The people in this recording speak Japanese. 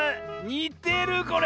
にてるこれ！